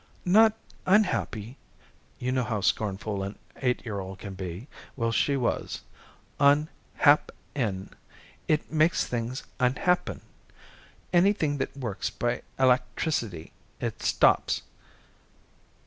"Not unhappy." You know how scornful an eight year old can be? Well, she was. "Unhap pen. It makes things unhappen. Anything that works by electracity, it stops.